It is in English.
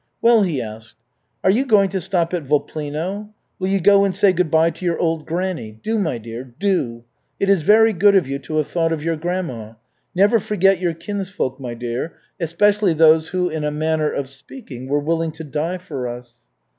"Well?" he asked. "Are you going to stop at Voplino? Will you go and say good by to your old granny? Do, my dear, do. It is very good of you to have thought of your grandma. Never forget your kinsfolk, my dear, especially those who, in a manner of speaking, were willing to die for us."